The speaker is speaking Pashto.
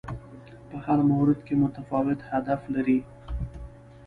په هر مورد کې متفاوت هدف لري